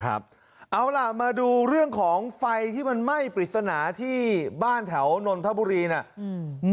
เอาล่ะมาดูเรื่องของไฟที่มันไหม้ปริศนาที่บ้านแถวนนทบุรีน่ะอืม